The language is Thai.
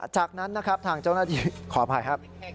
จากนั้นนะครับทางเจ้าหน้าที่ขออภัยครับ